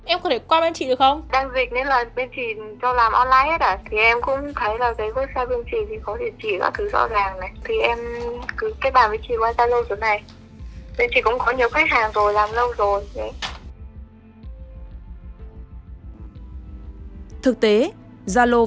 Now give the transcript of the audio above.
em có thể qua bên chị được không